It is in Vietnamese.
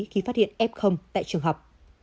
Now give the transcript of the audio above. khi phát hiện f tại trường học